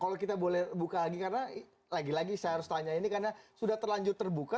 kalau kita boleh buka lagi karena lagi lagi saya harus tanya ini karena sudah terlanjur terbuka